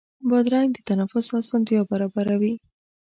بادرنګ د تنفس اسانتیا برابروي.